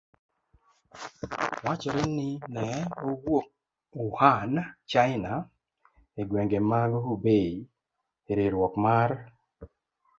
Wachore ni ne owuok Wuhan, China, e gwenge mag Hubei: Riwruok mar